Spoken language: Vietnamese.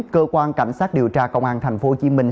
cơ quan cảnh sát điều tra công an thành phố hồ chí minh